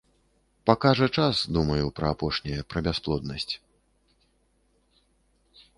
Пакажа час, думаю, пра апошняе, пра бясплоднасць.